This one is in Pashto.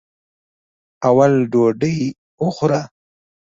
اول ډوډۍ وخوره.